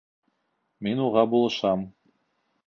— Мин уға булышам.